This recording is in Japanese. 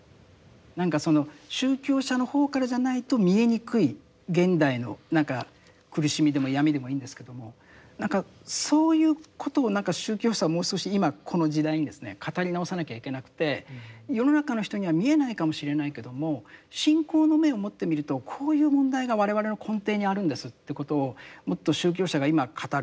何か宗教者の方からじゃないと見えにくい現代の何か苦しみでも闇でもいいんですけども何かそういうことを宗教者はもう少し今この時代にですね語り直さなきゃいけなくて世の中の人には見えないかもしれないけども信仰の目を持ってみるとこういう問題が我々の根底にあるんですということをもっと宗教者が今語る。